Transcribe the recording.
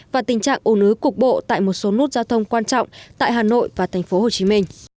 và tình trạng ổn ứ cục bộ tại một số nút giao thông quan trọng tại hà nội và tp hcm